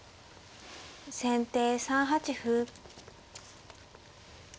先手３八歩。